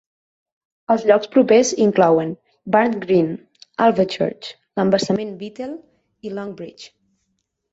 Els llocs propers inclouen: Barnt Green, Alvechurch, l'embassament Bittell i Longbridge.